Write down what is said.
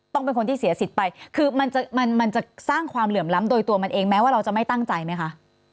เป็นคนที่เสียสิทธิ์ไปคือมันจะสร้างความเหลื่อมล้ำโดยตัวมันเองแม้ว่าเราจะไม่ตั้งใจไหมคะ